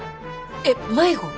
えっ迷子？